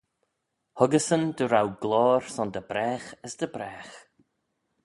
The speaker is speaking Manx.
Huggeysyn dy row gloyr son dy bragh as dy bragh.